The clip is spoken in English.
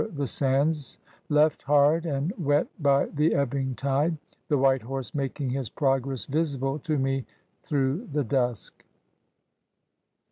49 the sands^ left hard and wet by the ebbing tide, ^e white horse niaking his progress visible to me through the dusk.